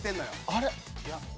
あれ？